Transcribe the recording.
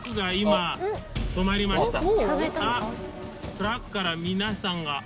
トラックから皆さんが。